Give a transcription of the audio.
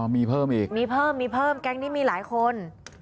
มีเพิ่มอีกมีเพิ่มมีเพิ่มแก๊งนี้มีหลายคน